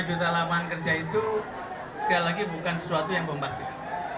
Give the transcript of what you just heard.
dua juta lapangan kerja itu sekali lagi bukan sesuatu yang bombastis